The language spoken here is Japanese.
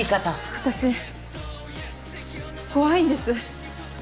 私怖いんです。